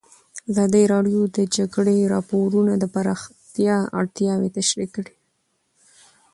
ازادي راډیو د د جګړې راپورونه د پراختیا اړتیاوې تشریح کړي.